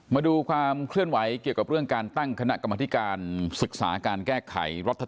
มาดูความเคลื่อนไหวเกี่ยวกับเรื่องการตั้งคณะกรรมธิการศึกษาการแก้ไขรัฐธรรม